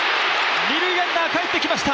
二塁ランナー、帰ってきました。